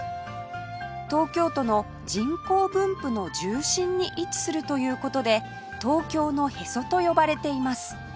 東京都の人口分布の重心に位置するという事で「東京のへそ」と呼ばれています